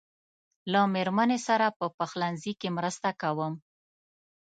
له مېرمنې سره په پخلنځي کې مرسته کوم.